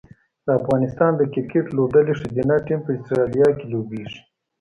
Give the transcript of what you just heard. د افغانستان د کرکټ لوبډلې ښځینه ټیم په اسټرالیا کې لوبیږي